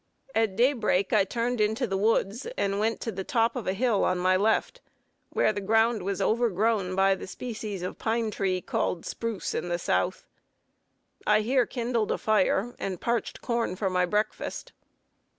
At daybreak I turned into the woods, and went to the top of a hill on my left, where the ground was overgrown by the species of pine tree called spruce in the South. I here kindled a fire, and parched corn for my breakfast.